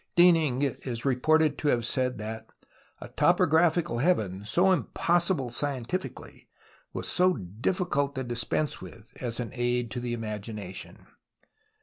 Dean Inge is reported to have said that " a topographical heaven, so GETTIiNG TO HEAVEN 103 impossible scientifically, was so difficult to dis pense with as an aid to the imagination."